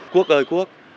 quốc ơi quốc